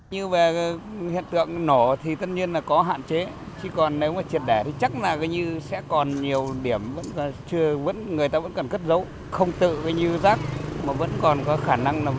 nếu như sẽ còn nhiều điểm vẫn chưa